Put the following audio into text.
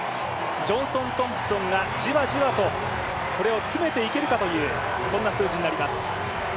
ジョンソン・トンプソンがじわじわとこれを詰めていけるかというそんな数字になります。